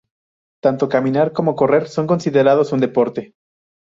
Tanto caminar como correr son considerados un deporte.